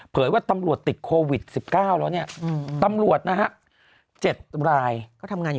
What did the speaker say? เผยว่าตำรวจติดโควิด๑๙แล้วเนี่ยตำรวจนะฮะ๗ราย